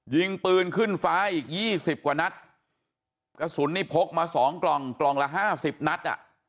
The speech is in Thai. ยิงปืนขึ้นฟ้าอีกยี่สิบกว่านัดกระสุนนี่พกมาสองกล่องกล่องละห้าสิบนัดอ่ะ